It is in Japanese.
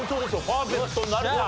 パーフェクトなるか？